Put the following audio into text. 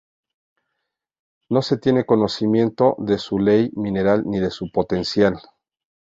No se tiene conocimiento de su Ley Mineral ni de su potencial.